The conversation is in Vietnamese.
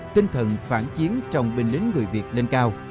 tinh thần phản chiến trong binh lính người việt lên cao